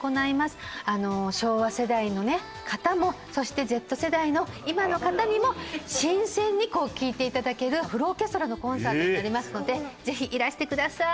昭和世代の方もそしてＺ世代の今の方にも新鮮に聴いて頂けるフルオーケストラのコンサートになりますのでぜひいらしてください。